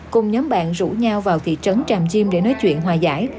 cùng nhóm bạn rủ nhau vào thị trấn tràm chim để nói chuyện hòa giải